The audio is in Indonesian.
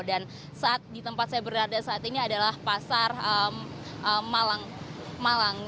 dan saat di tempat saya berada saat ini adalah pasar malang